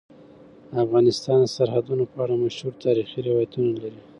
افغانستان د سرحدونه په اړه مشهور تاریخی روایتونه لري.